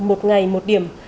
một ngày một điểm